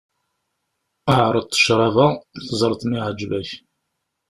Ԑreḍ ccrab-a, teẓreḍ ma iεǧeb-am.